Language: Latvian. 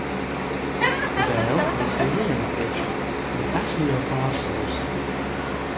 Vēl visa ziema priekšā, bet esmu jau pārsalusi!